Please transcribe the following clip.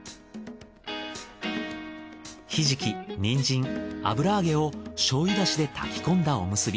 ヒジキニンジン油揚げをしょうゆダシで炊き込んだおむすび。